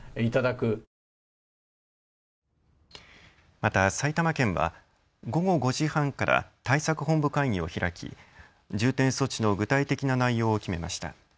また埼玉県は午後５時半から対策本部会議を開き、重点措置の具体的な内容を決めました。